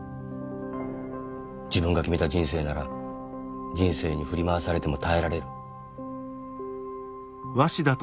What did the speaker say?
自分が決めた人生なら人生に振り回されても耐えられる。